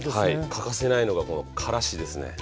欠かせないのがこのからしですね。